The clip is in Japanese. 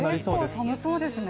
結構寒そうですね。